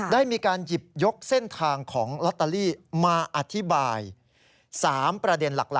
ได้มีการหยิบยกเส้นทางของลอตเตอรี่มาอธิบาย๓ประเด็นหลัก